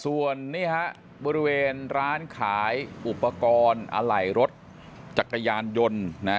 ส่วนนี่ฮะบริเวณร้านขายอุปกรณ์อะไหล่รถจักรยานยนต์